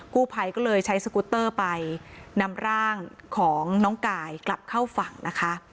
กู้ภัยก็เลยใช้สกุตเตอร์ไปนำร่างของน้องกายกลับเข้าฝั่งนะคะ